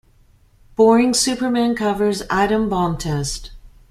Boring's Superman Covers Atom Bomb Test!